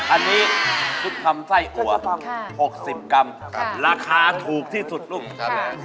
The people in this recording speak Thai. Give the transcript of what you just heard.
อันนี้ซุปทำไส้อัว๖๐กรัมราคาถูกที่สุดลูก